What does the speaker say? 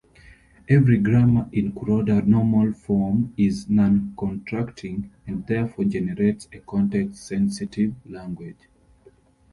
Every grammar in Kuroda normal form is noncontracting, and therefore, generates a context-sensitive language.